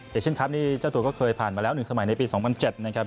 เช่นคลับนี้เจ้าตัวก็เคยผ่านมาแล้ว๑สมัยในปี๒๐๐๗นะครับ